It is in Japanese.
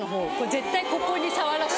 絶対ここに触らせ。